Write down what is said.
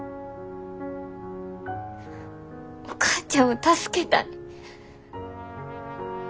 お母ちゃんを助けたい。